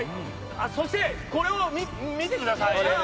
そして、これを見てください。